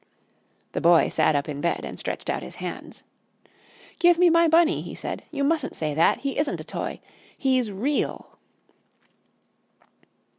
The Boy sat up in bed and stretched out his hands. "Give me my Bunny!" he said. "You mustn't say that. He isn't a toy. He's REAL!"